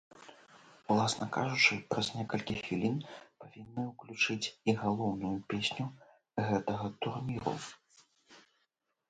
Уласна кажучы, праз некалькі хвілін павінны ўключыць і галоўную песню гэтага турніру.